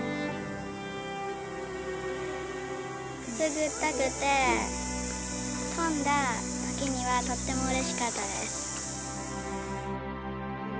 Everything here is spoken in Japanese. くすぐったくて飛んだ時にはとってもうれしかったです。